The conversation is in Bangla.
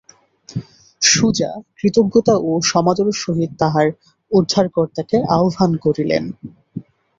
সুজা কৃতজ্ঞতা ও সমাদরের সহিত তাঁহার উদ্ধারকর্তাকে আহ্বান করিলেন।